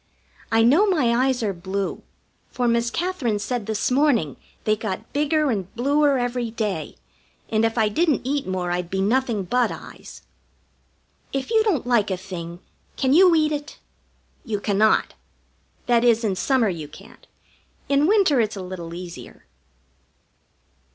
I know my eyes are blue, for Miss Katherine said this morning they got bigger and bluer every day, and if I didn't eat more I'd be nothing but eyes. If you don't like a thing, can you eat it? You cannot. That is, in summer you can't. In winter it's a little easier.